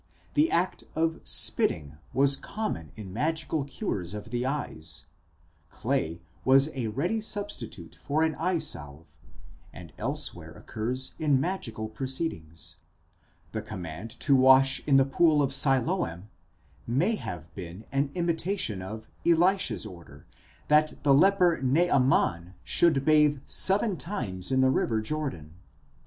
The act of spitting, πτύειν, was common in magical cures of the eyes ; clay, πηλὸς, was a ready substitute for an eye salve, and elsewhere occurs in magical proceedings ; 38 the command to wash in the pool of Siloam may have been an imitation of Elisha's order, that the leper Naaman should bathe seven times in the river Jordan.